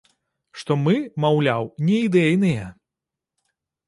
Што мы, маўляў, не ідэйныя.